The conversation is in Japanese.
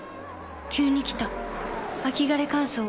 急に来た秋枯れ乾燥。